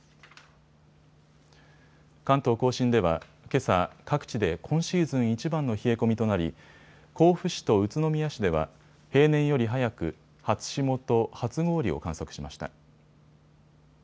関東甲信ではけさ、各地で今シーズンいちばんの冷え込みとなり甲府市と宇都宮市では平年より早く初霜と初氷を観測しました。